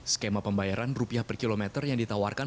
skema pembayaran rupiah per kilometer yang ditawarkan